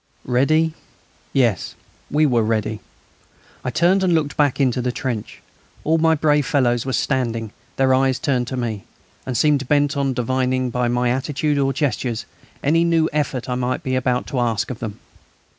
Ready? Yes, we were ready. I turned and looked back into the trench. All my brave fellows were standing, their eyes turned to me, and seemed bent on divining by my attitude or gestures any new effort I might be about to ask of them.